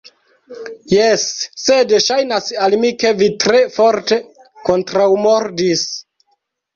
Jes, sed ŝajnas al mi, ke vi tre forte kontraŭmordis.